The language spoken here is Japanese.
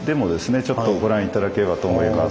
ちょっとご覧頂ければと思います。